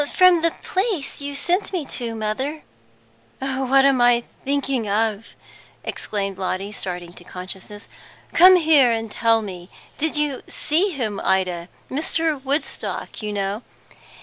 "From the the place you sent me to, mother." "What am I thinking of!" exclaimed Lotty, starting to consciousness. "Come here, and tell me. Did you see see him, Ida? Mr. Woodstock, you know."